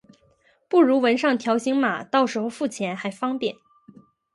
不如纹上条形码，到时候付钱还方便